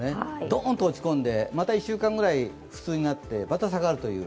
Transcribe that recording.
ドーンと落ち込んで、また１週間くらい普通になってまた下がるという。